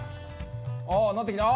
ああーなってきた。